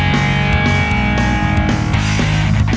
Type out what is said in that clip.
กลับมาที่นี่